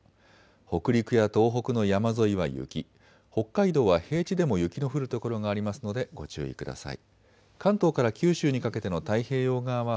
北陸や東北の山沿いは雪、北海道は平地でも雪の降る所がありますのでご注意ください。